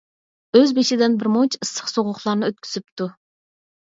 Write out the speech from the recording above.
ئۆز بېشىدىن بىرمۇنچە ئىسسىق - سوغۇقلارنى ئۆتكۈزۈپتۇ.